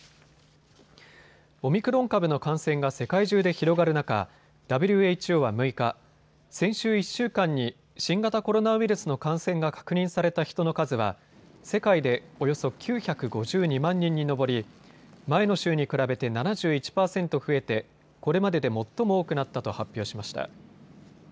オミクロン株の感染が世界中で広がる中、ＷＨＯは６日、先週１週間に新型コロナウイルスの感染が確認された人の数は世界でおよそ９５２万人に上り前の週に比べて７１％増えてこれまでで最も多くなったと発表しました。